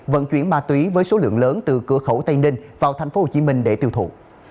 vận chuyển ma túy với số lượng lớn từ cửa khẩu tây ninh vào tp hcm để tiêu thụ